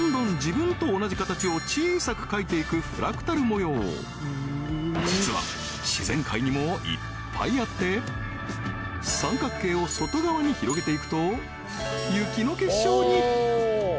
このように実は自然界にもいっぱいあって三角形を外側に広げていくと雪の結晶に！